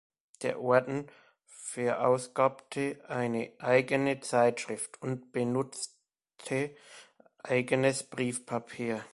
Der Orden verausgabte eine eigene Zeitschrift und benutzte eigenes Briefpapier.